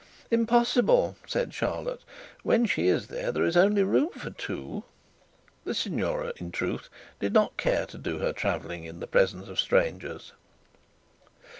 'Impossible!' said Charlotte. 'When she is there, there is only room for two.' The signora, in truth, did not care to do her travelling in the presence of strangers.